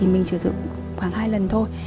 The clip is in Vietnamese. mình chỉ sửa khoảng hai lần thôi